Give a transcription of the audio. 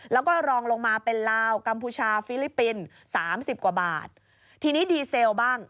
แล้วก็รองลงมาเป็นลาวกัมพูชาฟิลิปปินส์สามสิบกว่าบาททีนี้ดีเซลบ้าง